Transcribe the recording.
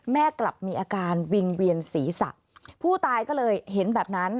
แม่กลับมีอาการวิงเวียนศีรษะผู้ตายก็เลยเห็นแบบนั้น